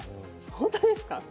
本当ですか？